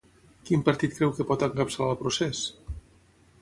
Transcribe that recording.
Quin partit creu que pot encapçalar el Procés?